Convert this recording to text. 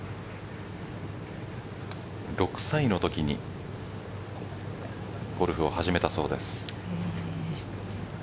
６歳のときにゴルフを始めたそうです。